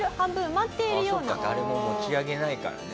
そっか誰も持ち上げないからね。